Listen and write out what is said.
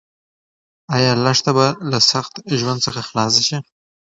ایا لښته به له سخت ژوند څخه خلاص شي؟